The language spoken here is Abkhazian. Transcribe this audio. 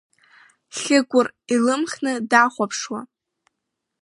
Хьыкәыр илымхны дахәаԥшуа.